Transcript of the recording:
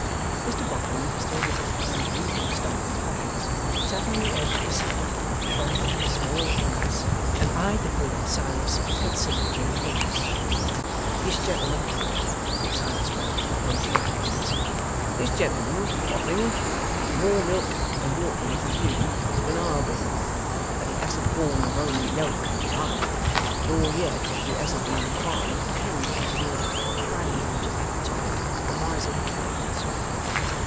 Mr Boffin, still with his hands ruefully stuck in his pockets, sat on the edge of the settle, shrunk into a small compass, and eyed the potent Silas with conciliatory looks. 'This gentleman,' said Silas Wegg, pointing out Venus, 'this gentleman, Boffin, is more milk and watery with you than I'll be. But he hasn't borne the Roman yoke as I have, nor yet he hasn't been required to pander to your depraved appetite for miserly characters.